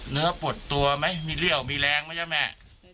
เนื้อปวดตัวไหมมีเรี่ยวมีแรงไหมจ๊ะแม่